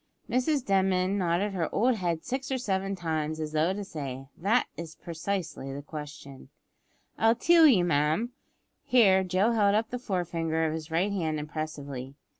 Mrs Denman nodded her old head six or seven times, as though to say, "That is precisely the question." "I'll tell you, ma'am," here Joe held up the fore finger of his right hand impressively.